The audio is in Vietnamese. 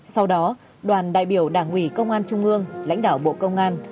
sau đó đoàn đại biểu đảng ủy công an trung ương lãnh đạo bộ công an